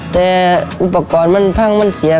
แต่อุปกรณ์มันพังมันเสีย